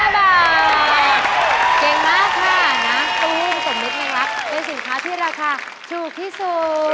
เก่งมากค่ะนะตู้ผสมเม็ดแมงรักเป็นสินค้าที่ราคาถูกที่สุด